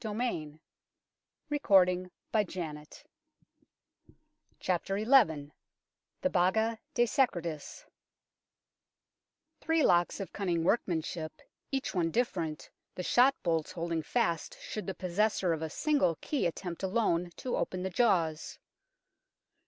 COFFIN LID OF MEN KAU RA /,*, W' GatUri^ British XI THE BAGA DE SECRETIS THREE locks of cunning workmanship, each one different, the shot bolts holding fast should the possessor of a single key attempt alone to open the jaws.